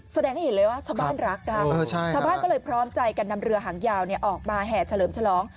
เสดียงเห็นเลยว่าชาวบ้านรักดีแบบข้อมูลพร้อมใจกันนำเรือหางยาวเนี่ยออกมาแห่เฉลิมเฉล้อง